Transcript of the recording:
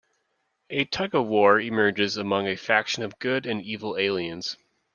A tug-of-war emerges among a faction of good and evil aliens.